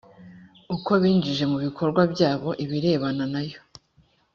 uko binjije mu bikorwa byabo ibireba n ayo